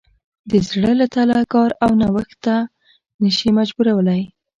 د زړه له تله کار او نوښت ته نه شي مجبورولی.